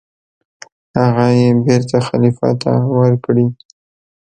هغه یې بېرته خلیفه ته ورکړې.